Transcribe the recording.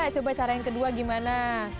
coba cara yang kedua gimana